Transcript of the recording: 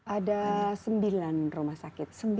ada sembilan rumah sakit